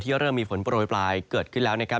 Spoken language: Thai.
เริ่มมีฝนโปรยปลายเกิดขึ้นแล้วนะครับ